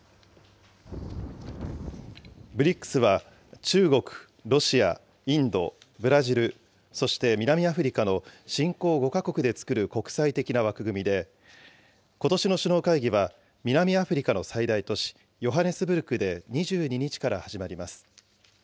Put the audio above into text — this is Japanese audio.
ＢＲＩＣＳは中国、ロシア、インド、ブラジル、そして南アフリカの新興５か国で作る国際的な枠組みで、ことしの首脳会議は南アフリカの最大都市ヨハネスブルクで２２日から始まります。